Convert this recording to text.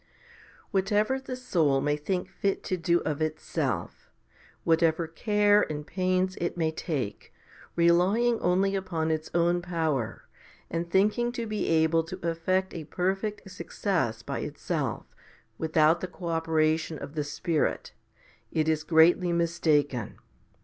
5. Whatever the soul may think fit to do of itself, what ever care and pains it may take, relying only, upon its own power, and thinking to be able to effect a perfect success by itself, without the co operation of the Spirit, it is greatly mistaken.